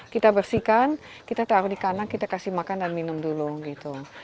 kita bersihkan kita taruh di kanan kita kasih makan dan minum dulu gitu